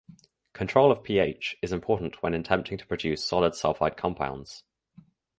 Control of pH is important when attempting to produce solid sulfite compounds.